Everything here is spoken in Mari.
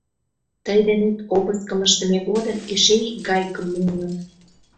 — Тый денет обыскым ыштыме годым эше ик гайкым муыныт...